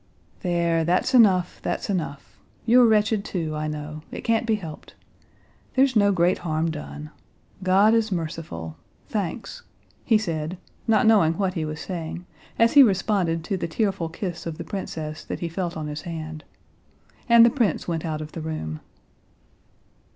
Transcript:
"There, that's enough, that's enough! You're wretched too, I know. It can't be helped. There's no great harm done. God is merciful ... thanks...." he said, not knowing what he was saying, as he responded to the tearful kiss of the princess that he felt on his hand. And the prince went out of the room.